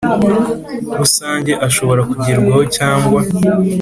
rusange ashobora kugerwaho cyangwa